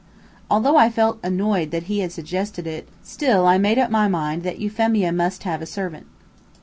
Although I felt annoyed that he had suggested it, still I made up my mind that Euphemia must have a servant.